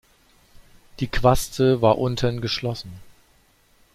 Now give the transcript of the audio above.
Die Quaste war unten geschlossen.